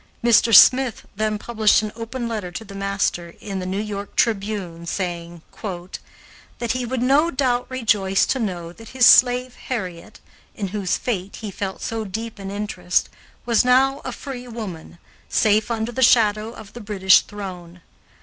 Mr. Smith then published an open letter to the master in the New York Tribune, saying "that he would no doubt rejoice to know that his slave Harriet, in whose fate he felt so deep an interest, was now a free woman, safe under the shadow of the British throne.